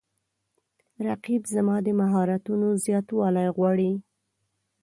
رقیب زما د مهارتونو زیاتوالی غواړي